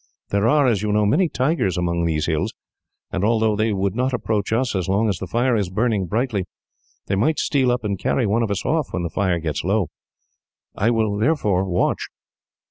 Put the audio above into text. There are, as you know, many tigers among these hills; and though they would not approach us, as long as the fire is burning brightly, they might steal up and carry one of us off, when the fire gets low. I will, therefore, watch."